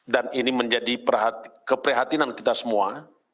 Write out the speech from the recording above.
dan ini menjadi keprihatinan kita semua